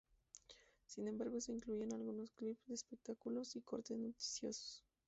Sin embargo se incluían algunos clips de espectáculos y cortes noticiosos.